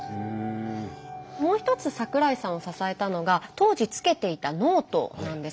もう一つ桜井さんを支えたのが当時つけていたノートなんです。